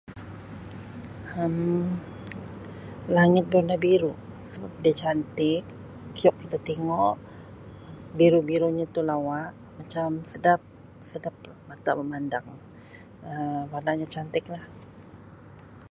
Um Langit warna biru sebab dia cantik siok kita tengok biru-birunya tu lawa macam sedap sedap mata memandang Um warnanya cantiklah.